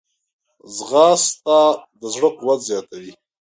ځغاسته د زړه قوت زیاتوي